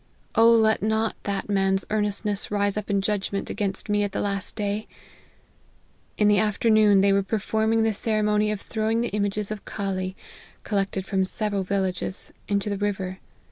O let not that man's earnestness rise up in judgment against me at the last day ! In the afternoon, they were performing the ceremony of throwing the images of Cali, collected from several villages, into the river.